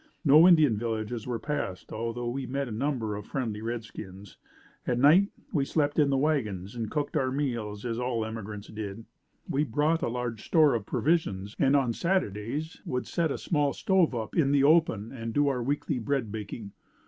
No Indian villages were passed although we met a number of friendly redskins. At night we slept in the wagons and cooked our meals as all emigrants did. We brought a large store of provisions and on Saturdays would set a small stove up in the open and do our weekly bread baking.